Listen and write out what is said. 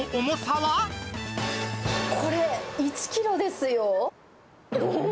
これ、１キロですよ。